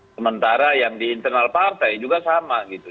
sementara yang di internal partai juga sama gitu